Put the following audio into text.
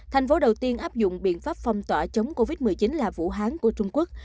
thành phố đầu tiên áp dụng biện pháp phong tỏa chống covid một mươi chín là vũ hán của trung quốc